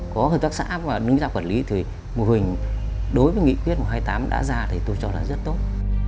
có hợp tác xã mà đứng ra quản lý thì mô hình đối với nghị quyết một trăm hai mươi tám đã ra thì tôi cho là rất tốt